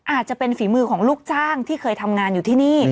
อาจจะเป็นฝีมือของลูกจ้างที่เคยทำงานอยู่ที่นี่